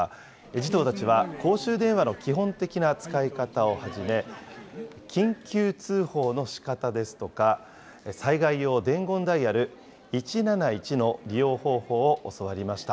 児童たちは公衆電話の基本的な使い方をはじめ、緊急通報のしかたですとか、災害用伝言ダイヤル１７１の利用方法を教わりました。